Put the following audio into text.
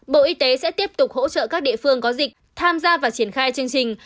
bộ y tế sẽ tiếp tục hỗ trợ các địa phương có dịch tham gia và triển khai chương trình